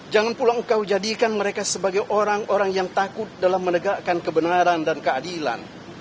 jangan pulang engkau jadikan mereka sebagai orang orang yang takut dalam menegakkan kebenaran dan keadilan